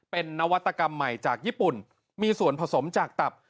เป็นนวัตกรรมใหม่จากญี่ปุ่นมีส่วนผสมจากตับ